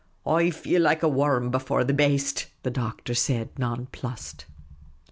" I feel like a wurrum before the baste," the Doctor said, nonplussed.